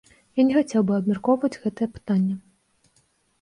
Я не хацеў бы абмяркоўваць гэтае пытанне.